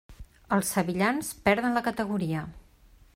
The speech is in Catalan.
Els sevillans perden la categoria.